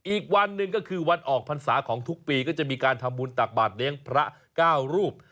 อีกวันหนึ่งก็คือวันออกพรรษาของทุกปีก็จะมีการทำบุญตักบาทเลี้ยงพระเก้ารูป